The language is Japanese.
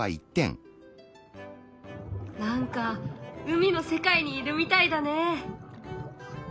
何か海の世界にいるみたいだね！